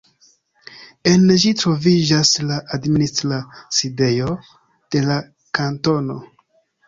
En ĝi troviĝas la administra sidejo de la kantono.